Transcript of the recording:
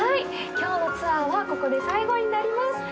今日のツアーはここで最後になります。